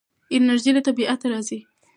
انرژي له طبیعته راځي.